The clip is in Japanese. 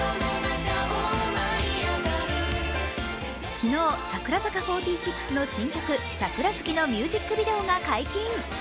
昨日、櫻坂４６の新曲「桜月」のミュージックビデオが解禁。